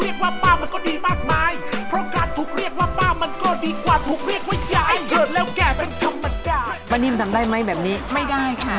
เราต้องมีทีมงานที่ดีนะคะ